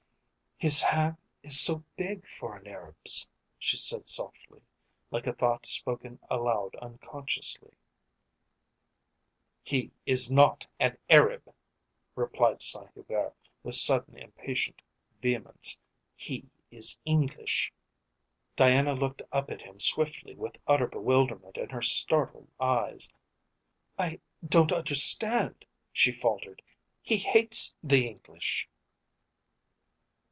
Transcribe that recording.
"His hand is so big for an Arab's," she said softly, like a thought spoken aloud unconsciously. "He is not an Arab," replied Saint Hubert with sudden, impatient vehemence. "He is English." Diana looked up at him swiftly with utter bewilderment in her startled eyes. "I don't understand," she faltered. "He hates the English."